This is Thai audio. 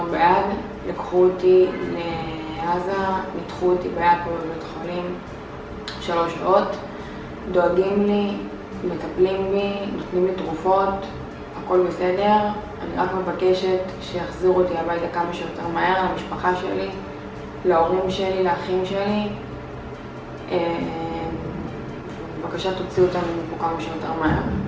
เพื่อนแดดเนียอร์มีความรับประเภทของเราจะถูกกำลังไปและทำให้เราออกมาให้เยี่ยม